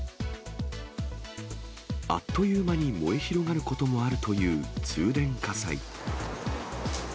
あっという間に燃え広がることもあるという通電火災。